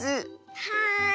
はい！